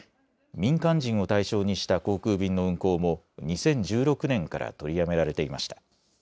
民間人を対象にした航空便の運航も２０１６年から取りやめられていました。